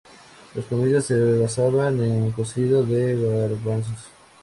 Las comidas se basaban en cocido de garbanzos.